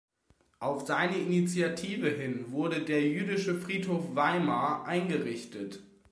Auf seine Initiative hin wurde der Jüdische Friedhof Weimar eingerichtet.